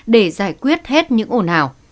để giải quyết hết những ổn hảo